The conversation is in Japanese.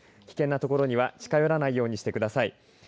危険な所には近寄らないようにしてください。